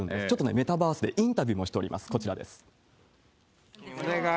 ちょっとメタバースでインタビューもしております、こちらです。